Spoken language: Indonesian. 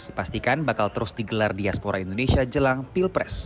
dipastikan bakal terus digelar diaspora indonesia jelang pilpres